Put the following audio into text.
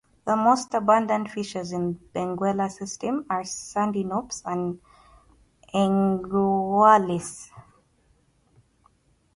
The most abundant fishes in the Benguela system are "Sardinops" and "Engraulis".